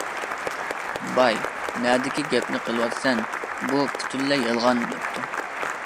باي:--- نەدىكى گەپنى قىلىۋاتىسەن، بۇ پۈتۈنلەي يالغان دەپتۇ.